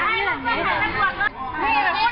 นะไม้กินทางนี้หล่อมีอะไรพอต้อนไหม